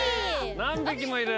何匹もいる。